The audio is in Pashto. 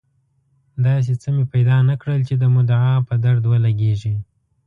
داسې څه مې پیدا نه کړل چې د مدعا په درد ولګېږي.